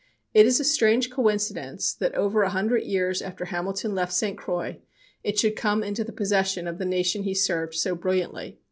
It is a strange coincidence that over a hundred years after Hamilton left St. Croix it should come into possession of the nation he served so brilliantly.